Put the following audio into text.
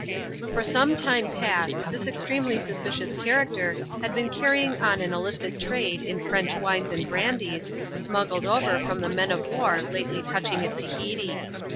For some time past, this extremely suspicious character had been carrying on an illicit trade in PVench wines and brandies, smuggled over from the men of war lately touching at Tahiti.